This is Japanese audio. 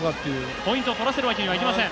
ポイントを取らせるわけにはいきません。